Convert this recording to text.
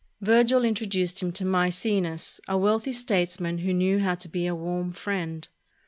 Virgil intro duced him to Maecenas, a wealthy statesman who knew how to be a warm friend.